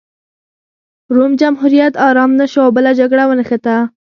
روم جمهوریت ارام نه شو او بله جګړه ونښته